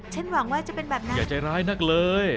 หวังว่าจะเป็นแบบนั้นอย่าใจร้ายนักเลย